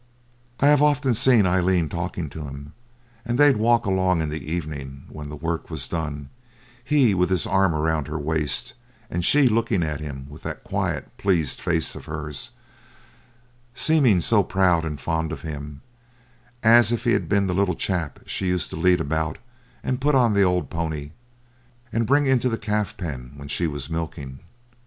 I have often seen Aileen talking to him, and they'd walk along in the evening when the work was done he with his arm round her waist, and she looking at him with that quiet, pleased face of hers, seeming so proud and fond of him, as if he'd been the little chap she used to lead about and put on the old pony, and bring into the calf pen when she was milking.